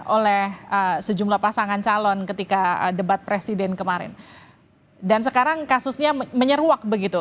oleh sejumlah pasangan calon ketika debat presiden kemarin dan sekarang kasusnya menyeruak begitu